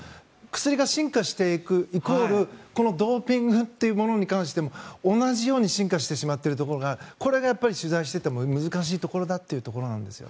薬が進化していく、イコールこのドーピングというものに関しても同じように進化してしまっているところがこれが取材していても難しいところだというところです。